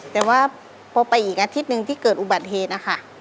แต่ว่าพอไปอีกอาทิตย์หนึ่งที่เกิดอุบัติเหตุนะคะ